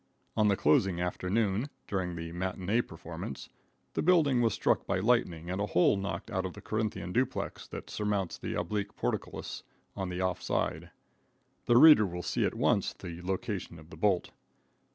On the closing afternoon, during the matinee performance, the building was struck by lightning and a hole knocked out of the Corinthian duplex that surmounts the oblique portcullis on the off side. The reader will see at once the location of the bolt.